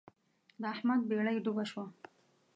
د احمد بېړۍ ډوبه شوه.